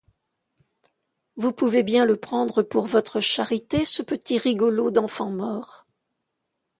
Vous pouvez bien le prendre pour votre charité, ce petit rigolo d'enfant mort?